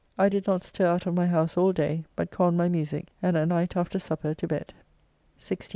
I did not stir out of my house all day, but conned my musique, and at night after supper to bed. 16th.